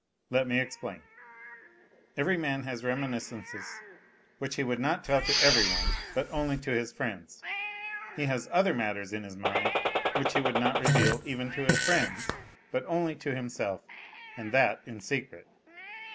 Let me explain. Every man has reminiscences which he would not tell to every one, but only to his friends. He has other matters in his mind which he would not reveal even to his friends, but only to him self, and that in secret.